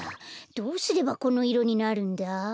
どうすればこのいろになるんだ？